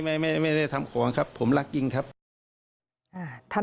และปฏิเสธที่ครอบครัวฝ่ายหญิงจะแจ้งความรัก